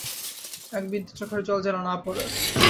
একবিন্দু চোখের জল যেন না পড়ে।